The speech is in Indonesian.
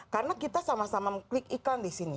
karena kita sama sama mengklik iklan di sini